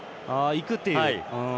いく！という。